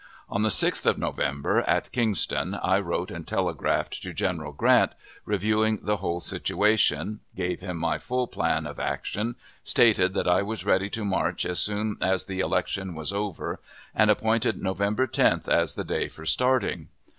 On the 6th of November, at Kingston, I wrote and telegraphed to General Grant, reviewing the whole situation, gave him my full plan of action, stated that I was ready to march as soon as the election was over, and appointed November 10th as the day for starting.